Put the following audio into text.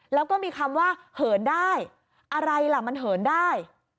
แล้วก็มีคำว่าเหินได้อะไรล่ะมันเหินได้